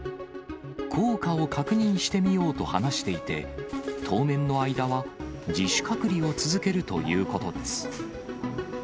効果を確認してみようと話していて、当面の間は自主隔離を続けるということです。